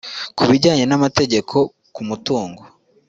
ku bijyanye n’amategeko ku mutungo